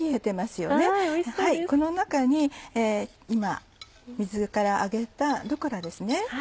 この中に今水から上げたルッコラですね。